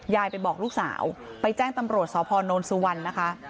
ยายไปบอกลูกสาวไปแจ้งตำรวจสพนสุวรรณนะคะ